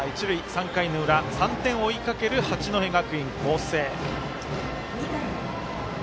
３回の裏、３点を追いかける八戸学院光星。